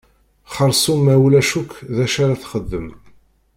Xersum ma ulac akk d acu ara texdem.